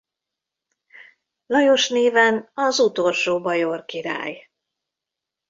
Lajos néven az utolsó bajor király.